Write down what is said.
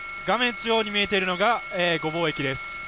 中央に見えているのが御坊駅です。